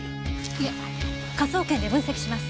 いえ科捜研で分析します。